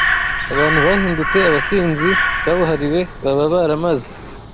abantu bahindutse abasinzi kabuhariwe baba baramaze